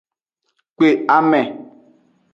Kpe ame.